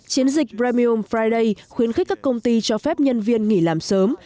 chiến dịch bramiom friday khuyến khích các công ty cho phép nhân viên nghỉ làm sớm